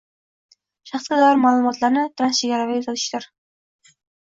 shaxsga doir ma’lumotlarni transchegaraviy uzatishdir.